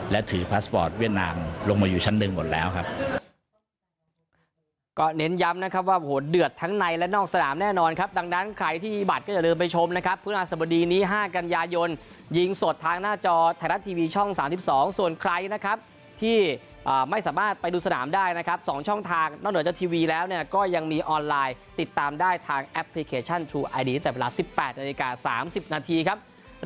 และถือพาสปอร์ตเวียดนามลงมาอยู่ชั้นหนึ่งหมดแล้วครับ